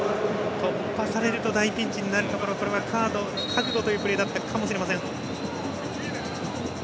突破されると大ピンチになるところこれはカード覚悟というプレーだったかもしれません。